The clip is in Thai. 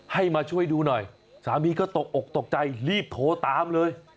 ให้มาช่วยดูหน่อยสามีก็ตกอกตกใจรีบโทรตามเลย